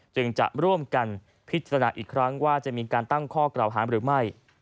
จึงจะร่วมกันพิจารณาอีกครั้งว่าจะมีการตั้งข้อกล่าวหาหรือไม่